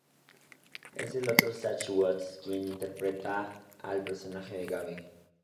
El otro es Zach Woods, quien interpreta al personaje de Gabe.